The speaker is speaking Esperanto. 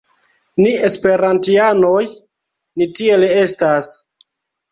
Ni esperantianoj, ni tiel estas